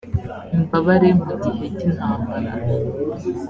imbabare mu gihe cy intambara